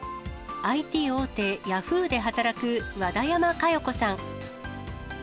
ＩＴ大手、ヤフーで働く和田山加代子さん。